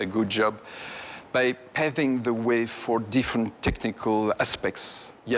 คุณภาพธรรมดาเป็นสิ่งที่เป็นสิ่งที่สงสัย